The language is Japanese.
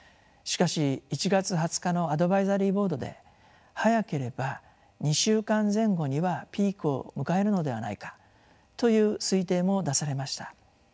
しかし１月２０日のアドバイザリーボードで早ければ２週間前後にはピークを迎えるのではないかという推定も出されました。